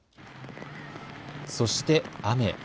そして、雨。